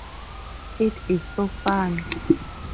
It is so funny.